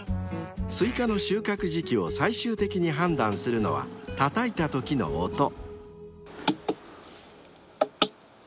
［スイカの収穫時期を最終的に判断するのはたたいたときの音］